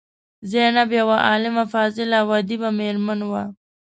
زینب یوه عالمه، فاضله او ادیبه میرمن وه.